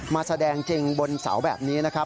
มาแสดงจริงบนเสาแบบนี้นะครับ